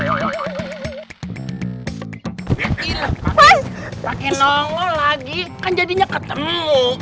kira pake nongol lagi kan jadinya ketemu